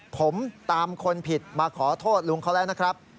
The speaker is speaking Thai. ผมตามคนผิดมาขอโทษลุงเขาแล้วนะครับ